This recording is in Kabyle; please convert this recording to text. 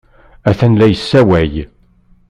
Atan la yessewway.